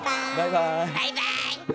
バイバーイ。